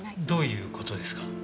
どういう事ですか？